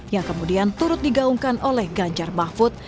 yang kemudian turut digaungkan oleh ganjar mahfud